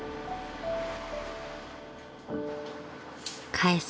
［返す